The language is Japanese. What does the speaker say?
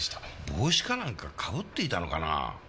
帽子かなんかかぶっていたのかなぁ？